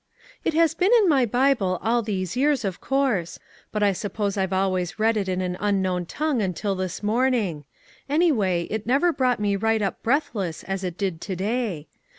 "It has been in my Bible all these years, of course ; but I sup pose I've always read it in an unknown tongue until this morning ; anyway, it never brought me right up breathless as it did to day.